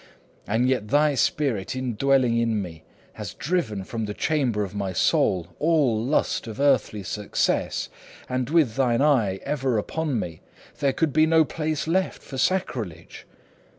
And yet thy spirit, indwelling in me, had driven from the chamber of my soul all lust of earthly success, and with thine eye ever upon me, there could be no place left for sacrilege.